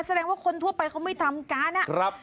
แสดงว่าคนทั่วไปเขาไม่ทำการอะ